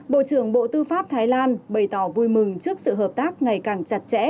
bộ trưởng bộ tư pháp thái lan bày tỏ vui mừng trước sự hợp tác ngày càng chặt chẽ